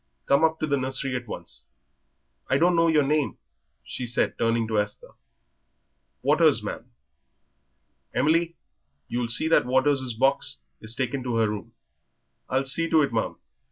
Come up to the nursery at once. I don't know your name," she said, turning to Esther. "Waters, ma'am." "Emily, you'll see that Waters' box is taken to her room." "I'll see to it, ma'am."